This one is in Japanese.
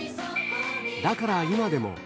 だから今でも。